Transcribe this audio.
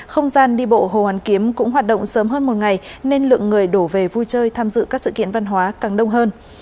không gian đi bộ hồ hoàn kiếm cũng hoạt động sớm hơn một ngày nên lượng người đổ về vui chơi tham dự các sự kiện văn hóa càng đông hơn